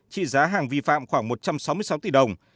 trị giá hàng vi phạm khoảng một trăm sáu mươi sáu tỷ đồng